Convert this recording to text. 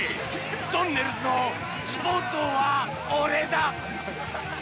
「とんねるずのスポーツ王は俺だ！！」。